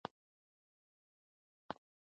اوبه نیول سوې وې.